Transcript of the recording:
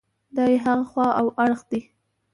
دا یې هغه خوا او اړخ دی.